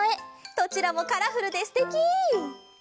どちらもカラフルですてき！